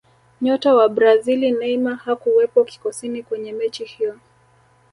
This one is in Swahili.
nyota wa brazili neymar hakuwepo kikosini kwenye mechi hiyo